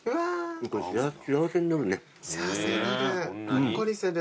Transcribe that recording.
ほっこりする。